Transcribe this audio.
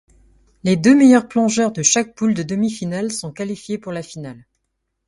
Les deux meilleurs plongeurs de chaque poule de demi-finale sont qualifiés pour la finale.